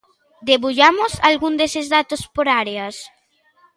Debullamos algún deses datos por áreas.